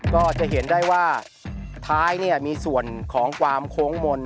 ก็จะเห็นได้ว่าท้ายมีส่วนของความโค้งมนต์